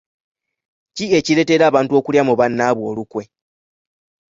Ki ekireetera abantu okulya mu bannaabwe olukwe?